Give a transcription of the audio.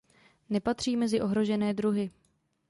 Nepatří mezi ohrožené druhy.